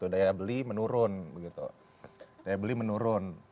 daya beli menurun